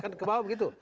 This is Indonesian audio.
kan kebawa begitu